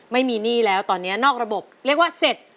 ไม่มีหนี้แล้วตอนนี้นอกระบบเรียกว่าเสร็จ